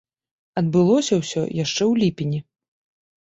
Адбылося ўсё яшчэ ў ліпені.